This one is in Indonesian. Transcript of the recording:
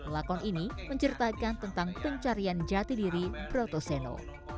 lakon ini menceritakan tentang pencarian jati diri broto seno